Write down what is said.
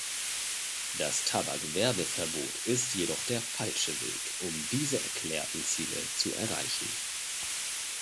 Das Tabakwerbeverbot ist jedoch der falsche Weg, um diese erklärten Ziele zu erreichen.